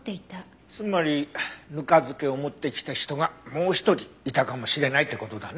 つまりぬか漬けを持ってきた人がもう一人いたかもしれないって事だね。